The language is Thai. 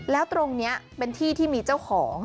แล้วตรงนี้เป็นที่ที่มีเจ้าของ